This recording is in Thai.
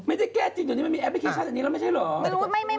ไม่ได้แก้จริงเดี๋ยวนี้มันมีแอปพลิเคชันอันนี้แล้วไม่ใช่เหรอ